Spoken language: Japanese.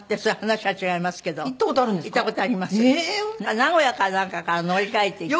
名古屋かなんかから乗り換えて行って。